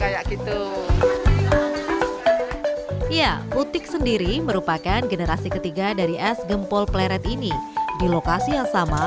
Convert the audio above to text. kayak gitu ya utik sendiri merupakan generasi ketiga dari es gempol pleret ini di lokasi yang sama